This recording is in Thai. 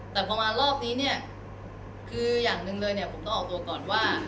แต่พอมารอบนี้เนี่ยคืออย่างหนึ่งเลยเนี่ยผมต้องออกตัวก่อนว่า